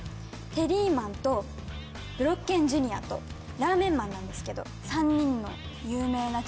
テリーマンとブロッケンＪｒ．とラーメンマンなんですけど。